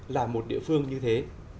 là một địa phương như thế